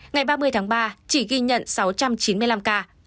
ngày ba mươi tháng ba chỉ ghi nhận sáu trăm chín mươi năm ca